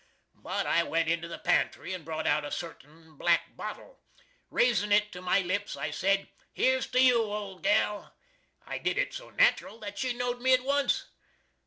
But I went into the pantry, and brought out a certin black bottle. Raisin it to my lips, I sed "Here's to you, old gal!" I did it so natral that she knowed me at once.